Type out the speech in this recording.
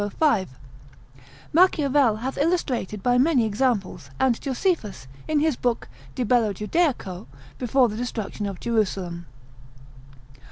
Machiavel hath illustrated by many examples, and Josephus, in his book de bello Judaico, before the destruction of Jerusalem.